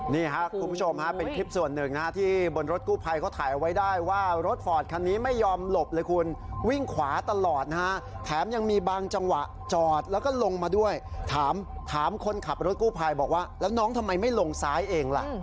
นี่ครับคุณผู้ชมฮะเป็นคลิปส่วนหนึ่งที่บนรถกู้ภัยเขาถ่ายเอาไว้ได้ว่ารถฟอร์ดคันนี้ไม่ยอมหลบเลยคุณวิ่งขวาตลอดนะฮะแถมยังมีบางจังหวะจอดแล้วก็ลงมาด้วยถามคนขับรถกู้ภัยบอกว่าแล้วน้องทำไมไม่ลงซ้ายเองล่ะ